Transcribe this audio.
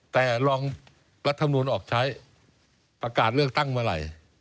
แต่ลองรัฐมนูลออกใช้ประกาศเลือกตั้งเมื่อไหร่